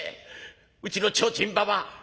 うちの提灯ばばあ」。